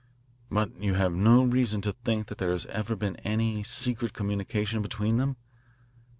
"But you have no reason to think that there has ever been any secret communication between them?